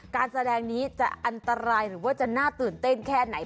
การแสดงนี้จะอันตรายหรือว่าจะน่าตื่นเต้นแค่ไหน